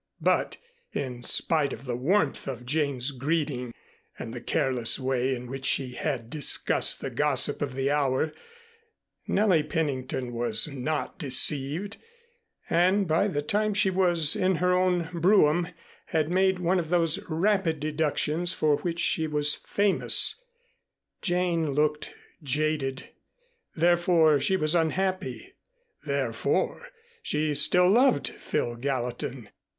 But, in spite of the warmth of Jane's greeting and the careless way in which she had discussed the gossip of the hour, Nellie Pennington was not deceived, and by the time she was in her own brougham had made one of those rapid deductions for which she was famous. Jane looked jaded. Therefore, she was unhappy; therefore, she still loved Phil Gallatin.